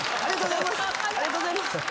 ありがとうございます！